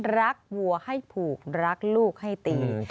วัวให้ผูกรักลูกให้ตี